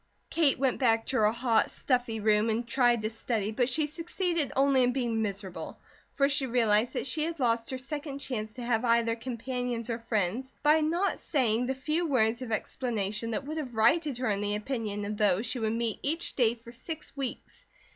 Kate went back to her hot, stuffy room and tried to study, but she succeeded only in being miserable, for she realized that she had lost her second chance to have either companions or friends, by not saying the few words of explanation that would have righted her in the opinion of those she would meet each day for six weeks.